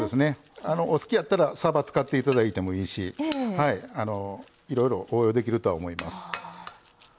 お好きやったらさば使っていただいてもいいしいろいろ応用できるとは思います。